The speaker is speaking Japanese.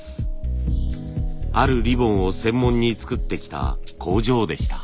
あるリボンを専門に作ってきた工場でした。